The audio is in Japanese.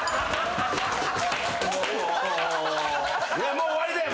もう終わりだよ。